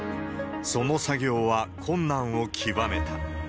その作業は困難を極めた。